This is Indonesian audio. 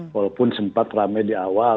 walaupun sempat rame di awal